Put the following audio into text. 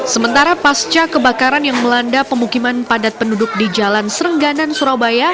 sementara pasca kebakaran yang melanda pemukiman padat penduduk di jalan serengganan surabaya